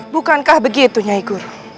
bukankah begitu nyai guru